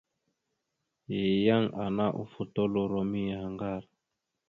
Yan ana ofotoloro miyaŋgar.